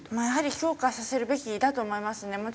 やはり強化させるべきだとは思いますね。